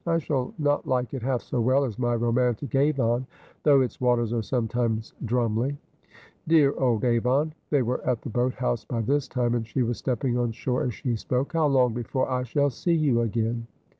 ' I shall not like it half so well as my romantic Avon, though its waters are sometimes " drumly." Dear old Avon !'— they were at the boat house by this time, and she was stepping on shore as she spoke —' how long before I shall see you again